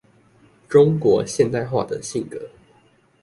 中國現代化的性格